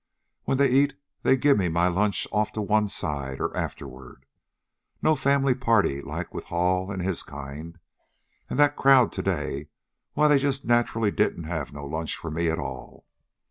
When they eat they give me my lunch off to one side, or afterward. No family party like with Hall an' HIS kind. An' that crowd to day, why, they just naturally didn't have no lunch for me at all.